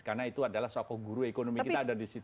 karena itu adalah sokong guru ekonomi kita ada di situ